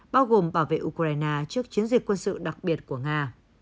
bao gồm bảo vệ ukraine trước chiến dịch quân sự đặc biệt của nga